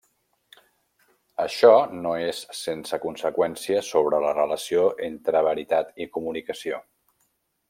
Això no és sense conseqüència sobre la relació entre veritat i comunicació.